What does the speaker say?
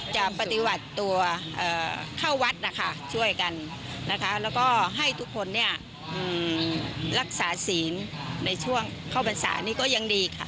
จะปฏิหวัดตัวเข้าวัดช่วยกันและให้ทุกคนรักษาศีลในช่วงเข้าบรรษานี้ก็ยังดี